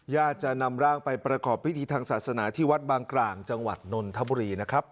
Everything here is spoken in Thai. จะนำร่างไปประกอบพิธีทางศาสนาที่วัดบางกลางจังหวัดนนทบุรีนะครับ